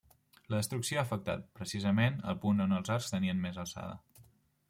La destrucció ha afectat, precisament, el punt on els arcs tenien més alçada.